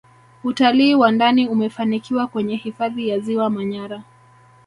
utalii wa ndani umefanikiwa kwenye hifadhi ya ziwa manyara